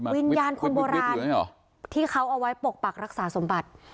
วิญญาณคนโบราณที่เขาเอาไว้ปกปักรักษาสมบัติ